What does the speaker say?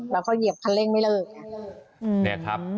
แล้วเขาเหยียบคันเร่งไม่เลิก